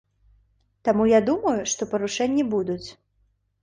Таму я думаю, што парушэнні будуць.